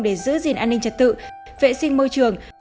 để giữ gìn an ninh trật tự vệ sinh môi trường